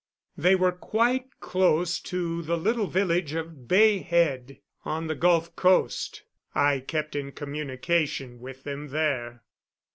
They were quite close to the little village of Bay Head, on the Gulf coast. I kept in communication with them there.